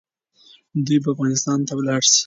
دوی به له افغانستانه ولاړ سي.